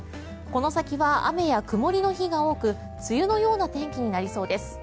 この先は雨や曇りの日が多く梅雨のような天気になりそうです。